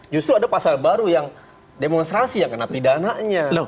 justru ada pasal baru yang demonstrasi yang kena pidananya